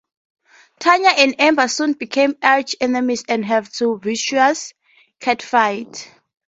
Tanya and Amber soon became arch-enemies and have a vicious catfight.